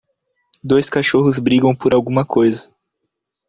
Dois cachorros brigam por alguma coisa.